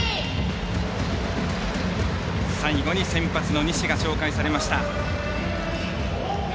最後に先発の西が紹介されました。